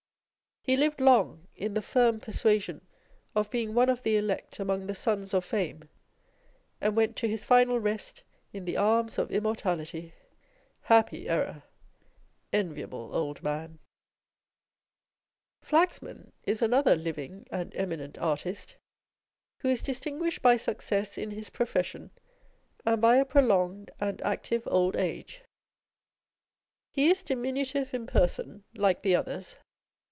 He lived long in the firm persuasion of being one of the elect among the sons of Fame, and went to his final rest in the arms of Immortality ! Happy error ! Enviable old man ! Flaxman is another living and eminent artist, who is distinguished by success in his profession and by a pro longed and active old age. He is diminutive in person, like the others.